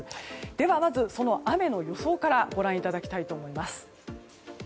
ではまず、その雨の予想からご覧いただきたいと思います。